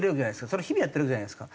それを日々やってるじゃないですか。